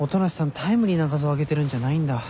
タイムリーな画像上げてるんじゃないんだ。